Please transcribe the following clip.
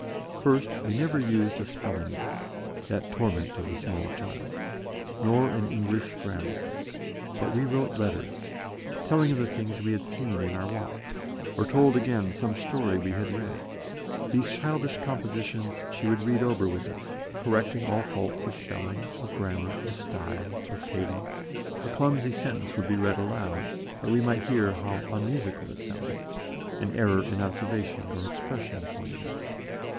First, we never used a spelling book that torment of the small child nor an English grammar. But we wrote letters, telling of the things we had seen in our walks, or told again some story we had read; these childish compositions she would read over with us, correcting all faults of spelling, of grammar, of style, of cadence; a clumsy sentence would be read aloud, that we might hear how unmusical it sounded, an error in observation or expression pointed out.